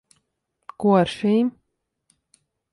Ko ar šīm?